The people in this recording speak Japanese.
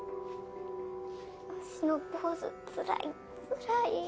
ワシのポーズつらいつらい。